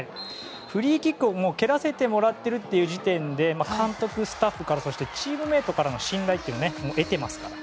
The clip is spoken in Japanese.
フリーキックを蹴らせてもらっている時点で監督、スタッフチームメートからの信頼を得ていますから。